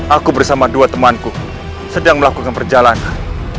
aku bersama dua temanku sedang melakukan perjalanan